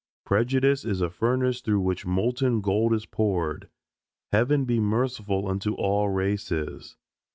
Prejudice is a furnace through which molten gold is poured. Heaven be merciful unto all races!